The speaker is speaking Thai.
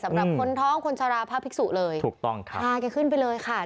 สำหรับคนท้องคนชะลาพระภิกษุเลยถูกต้องครับพาแกขึ้นไปเลยค่ะ